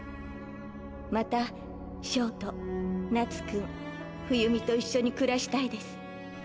また焦凍夏くん冬美と一緒に暮らしたいです。